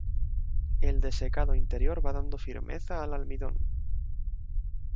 El desecado interior va dando firmeza al almidón.